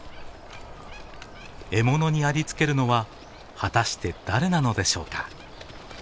獲物にありつけるのは果たして誰なのでしょうか？